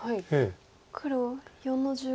黒４の十五。